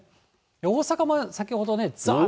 大阪も先ほどざーっと。